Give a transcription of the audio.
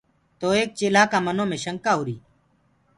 تو ايڪ چيلهآ ڪآ منو مي شکآ هُوآري۔